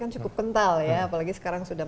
kan cukup kental ya apalagi sekarang sudah